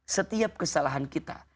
setiap kesalahan kita